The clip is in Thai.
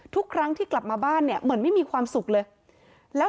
ทุกครั้งที่กลับมาบ้านเนี่ยเหมือนไม่มีความสุขเลยแล้ว